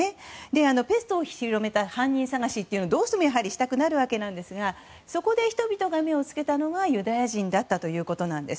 ペストを広めた犯人捜しはどうしてもしたくなるわけですがそこで人々が目を付けたのがユダヤ人だったということです。